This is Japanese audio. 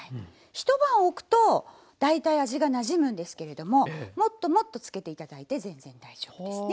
一晩おくと大体味がなじむんですけれどももっともっと漬けて頂いて全然大丈夫ですね。